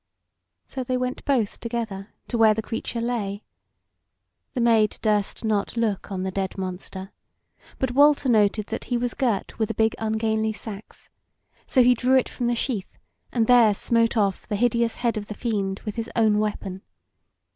So they went both together to where the creature lay. The Maid durst not look on the dead monster, but Walter noted that he was girt with a big ungainly sax; so he drew it from the sheath, and there smote off the hideous head of the fiend with his own weapon.